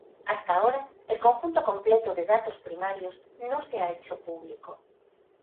Hasta ahora, el conjunto completo de datos primarios no se ha hecho público.